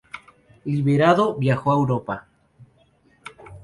Liberado, viajó a Europa.